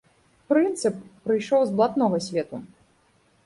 Прынцып прыйшоў з блатнога свету.